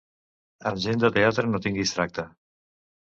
Amb gent de teatre no tinguis tracte.